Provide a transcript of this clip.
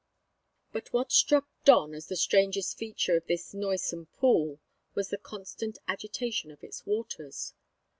But what struck Don as the strangest feature of this noisome pool was the constant agitation of its waters.